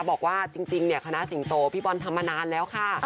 บอกว่าจริงเนี่ยคณะสิงโตพี่บอลทำมานานแล้วค่ะ